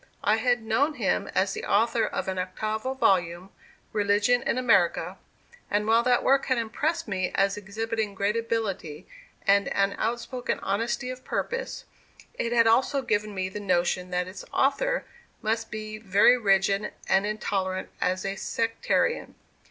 I had known him as the author of an octavo volume, "Religion in America"; and while that work had impressed me as exhibiting great ability and an outspoken honesty of purpose, it had also given me the notion that its author must be very rigid and intolerant as a sectarian.